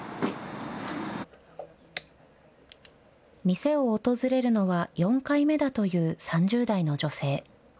店を訪れるのは４回目だという３０代の女性。